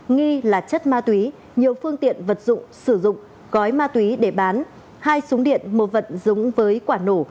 nghi là chất ma túy nhiều phương tiện vật dụng sử dụng gói ma túy để bán hai súng điện một vật giống với quả nổ